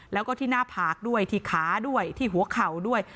แล้วก็ที่หน้าผากด้วยที่ขาด้วยที่หัวเข่าด้วย